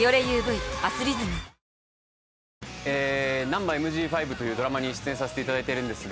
『ナンバＭＧ５』というドラマに出演させていただいてます。